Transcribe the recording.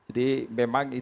jadi memang itu